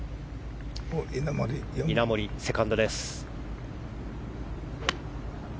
稲森、セカンドです。